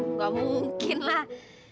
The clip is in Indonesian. nggak mungkin lah